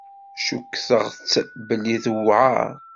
Ccukteɣ-tt belli tewεer.